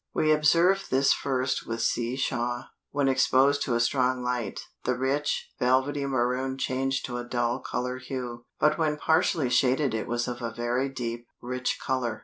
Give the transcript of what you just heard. We observed this first with C. Shah; when exposed to a strong light, the rich, velvety maroon changed to a dull color hue, but when partially shaded it was of a very deep, rich color.